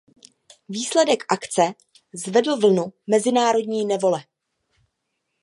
Výsledek akce zvedl vlnu mezinárodní nevole.